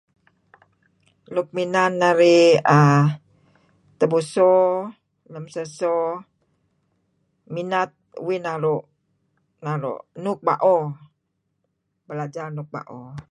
Nuk inan narih tebuso lam sah so minat uih naru' naru' nuuk bao. Belajar nuuk bao.